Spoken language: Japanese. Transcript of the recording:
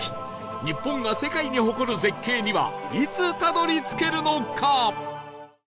日本が世界に誇る絶景にはいつたどり着けるのか？